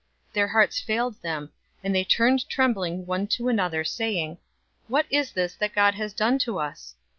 Their hearts failed them, and they turned trembling one to another, saying, "What is this that God has done to us?"